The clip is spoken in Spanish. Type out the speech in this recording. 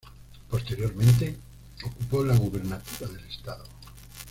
Posteriormente, ocupó la gubernatura del Estado.